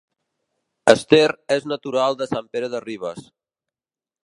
Esther és natural de Sant Pere de Ribes